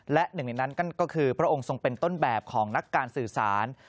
และหนึ่งในนั้นนั่นก็คือพระองค์ทรงเป็นต้นแบบของนักการสื่อสาร